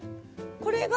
これが。